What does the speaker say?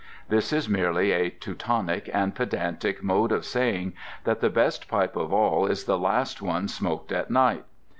This is merely a teutonic and pedantic mode of saying that the best pipe of all is the last one smoked at night.